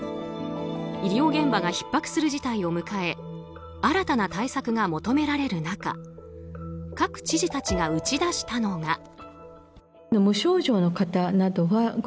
医療現場がひっ迫する事態を迎え新たな対策が求められる中各知事たちが打ち出したのが。